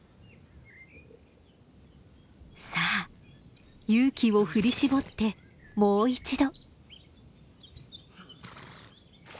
さあ勇気を振り絞ってもう一度！